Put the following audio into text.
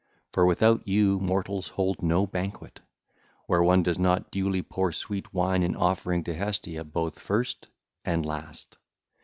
For without you mortals hold no banquet,—where one does not duly pour sweet wine in offering to Hestia both first and last.